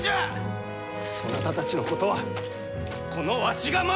そなたたちのことはこのわしが守る！